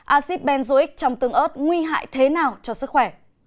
acid benzoic trong tương ớt nguy hại thế nào cho sức khỏe